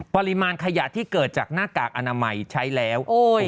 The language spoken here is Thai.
ปริมาณขยะที่เกิดจากหน้ากากอนามัยใช้แล้ว